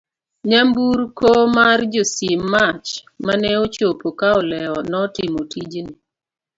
nyamburko mar josim mach maneochopo ka olewo notimo tijni